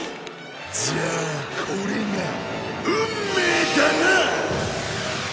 じゃあこれが運命だな！